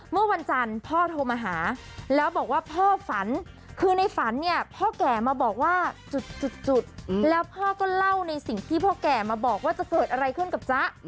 เมื่อวันจันทร์พ่อโทรมาหาแล้วบอกว่าพ่อฝันคือในฝันเนี่ยพ่อแก่มาบอกว่าจุดแล้วพ่อก็เล่าในสิ่งที่พ่อแก่มาบอกว่าจะเกิดอะไรขึ้นกับจ๊ะ